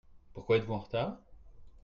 Pourquoi êtes-vous en retard ?